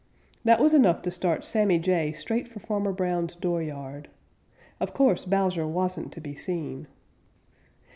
That was enough to start Sammy Jay straight for Farmer Brown's dooryard. Of course Bowser wasn't to be seen.